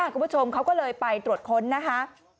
คุณผู้ชมเขาก็เลยไปตรวจค้นนะคะ